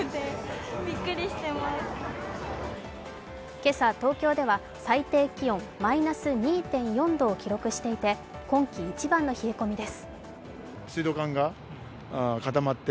今朝、東京では最低気温マイナス２．４度を記録していて今季一番の冷え込みです。